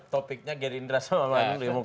topiknya geri indra sama manu